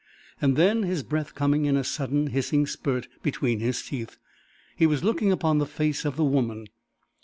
And then, his breath coming in a sudden, hissing spurt between his teeth, he was looking upon the face of the woman.